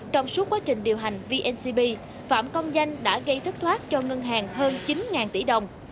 trong suốt quá trình điều hành vncb phạm công danh đã gây thất thoát cho ngân hàng hơn chín tỷ đồng